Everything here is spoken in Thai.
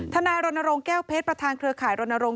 นายรณรงค์แก้วเพชรประธานเครือข่ายรณรงค